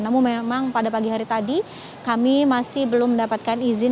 namun memang pada pagi hari tadi kami masih belum mendapatkan izin